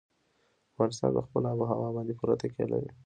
افغانستان په خپله آب وهوا باندې پوره تکیه لري.